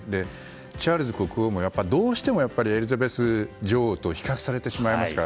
チャールズ国王もどうしてもエリザベス女王と比較されてしまいますから。